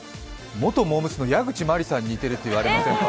元モー娘の矢口真里さんに似ているって言われませんか？